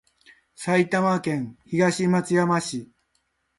埼玉県東松山市